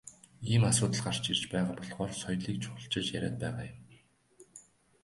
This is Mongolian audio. Ийм асуудал гарч ирж байгаа болохоор соёлыг чухалчилж яриад байгаа юм.